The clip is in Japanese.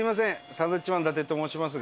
サンドウィッチマン伊達と申しますが。